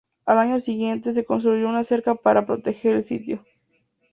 Al año siguiente, se construyó una cerca para proteger el sitio.